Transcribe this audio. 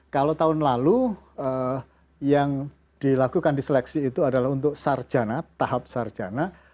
kalau tahun lalu yang dilakukan di seleksi itu adalah untuk sarjana tahap sarjana